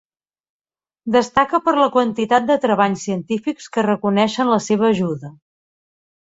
Destaca per la quantitat de treballs científics que reconeixen la seva ajuda.